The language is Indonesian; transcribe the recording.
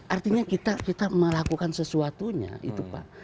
artinya kita melakukan sesuatunya itu pak